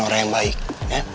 iya udah orang dupanya